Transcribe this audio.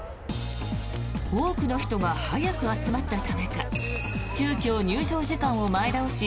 多くの人が早く集まったためか急きょ入場時間を前倒し